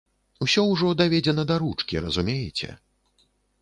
Усё ўжо даведзена да ручкі, разумееце.